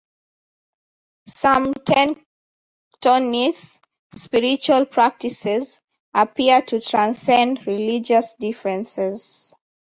Some Tenctonese spiritual practices appear to transcend religious differences.